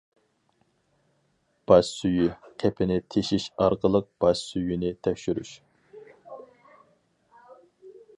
باش سۈيى قېپىنى تېشىش ئارقىلىق باش سۈيىنى تەكشۈرۈش.